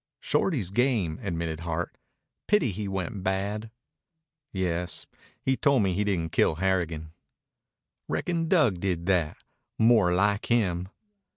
"Shorty's game," admitted Hart. "Pity he went bad." "Yes. He told me he didn't kill Harrigan." "Reckon Dug did that. More like him."